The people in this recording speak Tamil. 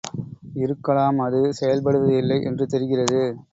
இருக்கலாம் அது செயல்படுவது இல்லை என்று தெரிகிறது.